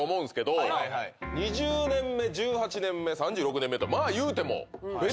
２０年目１８年目３６年目とまあ言うても。